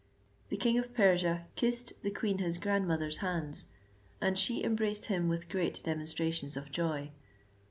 The king of Persia kissed the queen his grandmother's hands, and she embraced him with great demonstrations of joy.